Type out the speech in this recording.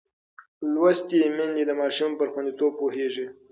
لوستې میندې د ماشوم پر خوندیتوب پوهېږي.